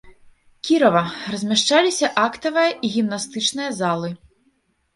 Кірава, размяшчаліся актавая і гімнастычная залы.